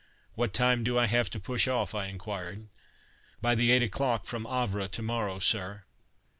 "What time do I have to push off?" I inquired. "By the eight o'clock from Havre to morrow, sir."